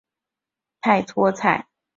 稻槎菜为菊科稻搓菜属的植物。